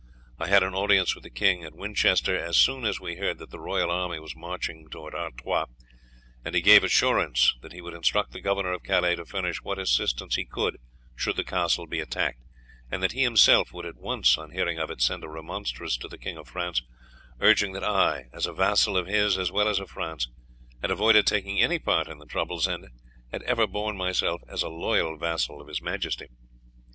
I had an audience with the king at Winchester as soon as we heard that the royal army was marching towards Artois, and he gave assurance that he would instruct the governor of Calais to furnish what assistance he could should the castle be attacked, and that he himself would at once on hearing of it send a remonstrance to the King of France, urging that I, as a vassal of his as well as of France, had avoided taking any part in the troubles, and had ever borne myself as a loyal vassal of his Majesty.